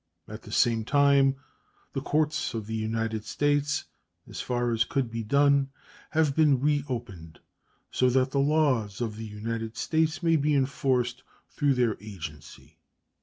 At the same time the courts of the United States, as far as could be done, have been reopened, so that the laws of the United States may be enforced through their agency.